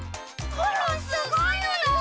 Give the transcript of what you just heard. コロンすごいのだ！